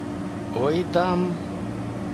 Ой, дам...